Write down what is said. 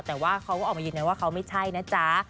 แต่เขาออกมายินว่าคือเขาไม่ใช่นะจ๊ะ